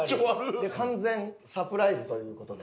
完全サプライズという事で。